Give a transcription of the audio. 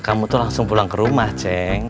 kamu tuh langsung pulang ke rumah ceng